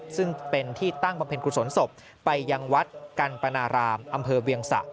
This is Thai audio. ซึ่งเป็นที่ตั้งบำเพ็ญกุศลศพไปยังวัดกันปนารามอำเภอเวียงสะ